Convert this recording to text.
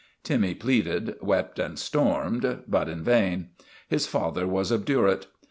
Timmy pleaded, wept, and stormed, but in vain; his father was obdurate.